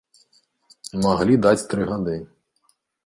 Маглі даць тры гады.